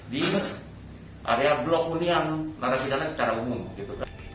di area blok unian narasi dana secara umum